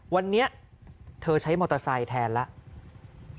วันนี้เธอใช้มอเตอร์ไซค์แทนแล้ว